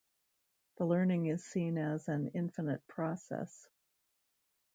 The learning is seen as an infinite process.